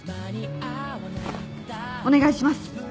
お願いします。